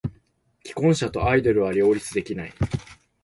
既婚者とアイドルは両立できない。